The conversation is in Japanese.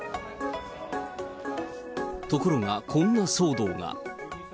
ところが、こんな騒動が。